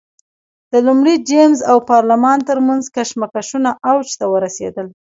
د لومړي جېمز او پارلمان ترمنځ کشمکشونه اوج ته ورسېدل.